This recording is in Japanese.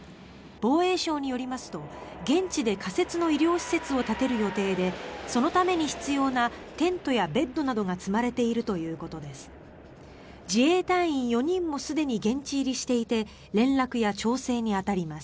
防衛省によりますと現地で仮設の医療施設を立てる予定でそのために必要なテントやベッドなどが積まれているということです。